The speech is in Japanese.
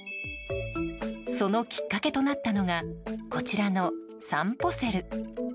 そのきっかけとなったのがこちらの、さんぽセル。